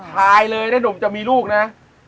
ถ่ายเลยเนี่ยหนุ่มจะมีลูกนะ